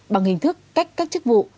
bằng hình thức cách các chức vụ